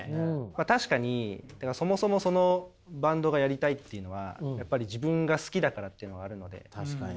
確かにそもそもそのバンドがやりたいっていうのはやっぱり自分が好きだからっていうのはあるので。